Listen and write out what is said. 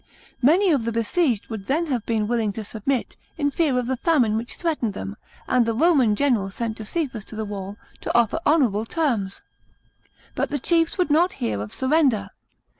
Many of the besieged would then have been willing to submit, in fear of the famine which threatened them, and the Roman general sent Josephus to the wall to offer honourable 70 A.D. TITUS BESIEGES JERUSALEM. 371 terms. But the chiefs would not hear of surrender.